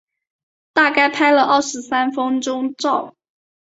大概拍了三十分钟照